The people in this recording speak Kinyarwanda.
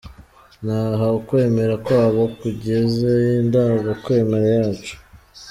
Ni aha ukwemera kwabo kugize “ Indangakwemera yacu ”.